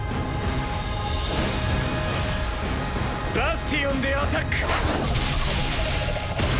バスティオンでアタック！